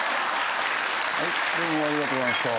はいどうもありがとうございました。